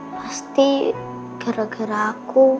pasti gara gara aku